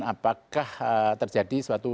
apakah terjadi suatu